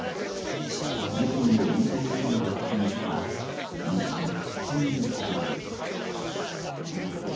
自身の引退試合で口にした道ということばです。